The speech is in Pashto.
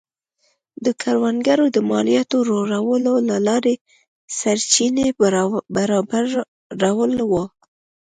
د کروندګرو د مالیاتو لوړولو له لارې سرچینې برابرول و.